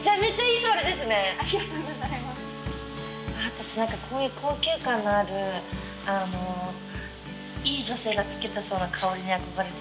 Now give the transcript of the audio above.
私何かこういう高級感のあるいい女性がつけてそうな香りに憧れてたんです。